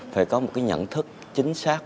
phải có một cái nhận thức chính xác